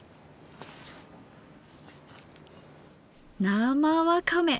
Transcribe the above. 生わかめ！